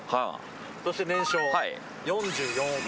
そして、年商４４億円。